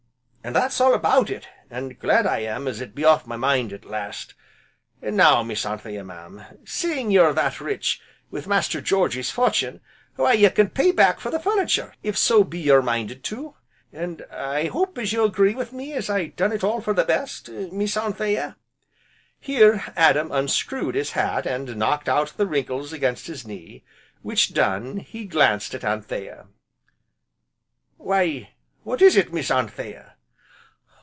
An' that's all about it, an' glad I am as it be off my mind at last. Ah' now, Miss Anthea mam, seeing you're that rich wi' Master Georgy's fortun', why you can pay back for the furnitur' if so be you're minded to. An' I hope as you agree wi' me as I done it all for the best, Miss Anthea?" Here, Adam unscrewed his hat, and knocked out the wrinkles against his knee, which done, he glanced at Anthea: "Why what is it, Miss Anthea?"